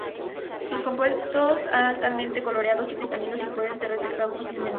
Son compuestos altamente coloreados y cristalinos, y pueden ser detectados fácilmente.